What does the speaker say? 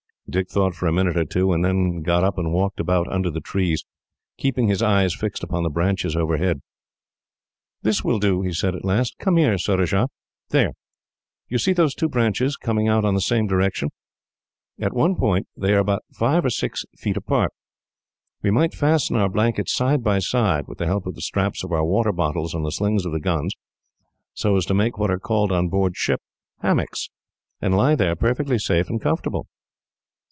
Dick thought for a minute or two, and then got up and walked about under the trees, keeping his eyes fixed upon the branches overhead. "This will do," he said at last. "Come here, Surajah. There! Do you see those two branches, coming out in the same direction? At one point, they are but five or six feet apart. We might fasten our blankets side by side, with the help of the straps of our water bottles and the slings of the guns; so as to make what are called, on board a ship, hammocks, and lie there perfectly safe and comfortable."